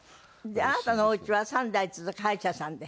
であなたのおうちは３代続く歯医者さんで。